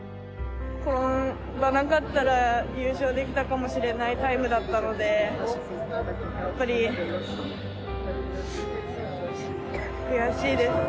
転ばなかったら優勝できたかもしれないタイムだったのでやっぱり、悔しいです。